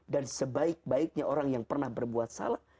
dan sebaik baiknya orang yang pernah berbuat salah